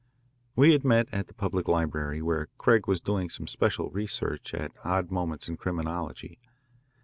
We had met at the Public Library, where Craig was doing some special research at odd moments in criminology.